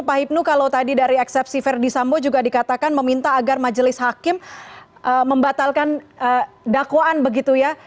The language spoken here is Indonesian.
pak hipnu kalau tadi dari eksepsi verdi sambo juga dikatakan meminta agar majelis hakim membatalkan dakwaan begitu ya